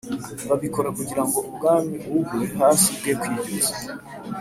Babikora kugira ngo ubwami bugwe hasi bwe kwibyutsa